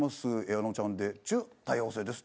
あのちゃんで『ちゅ、多様性。』です。